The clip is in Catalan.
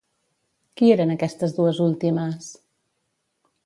Qui eren aquestes dues últimes?